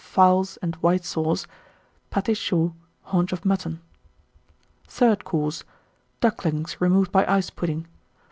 Flowers. White Sauce. Pâté Chaud. Haunch of Mutton. Third Course Ducklings, removed by Ice Pudding.